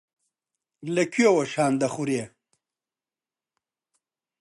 لە کوێوە شان دەخورێ.